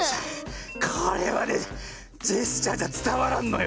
これはねジェスチャーじゃつたわらんのよ。